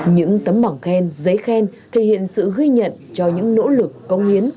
những tấm bỏng khen giấy khen thể hiện sự ghi nhận cho những nỗ lực công hiến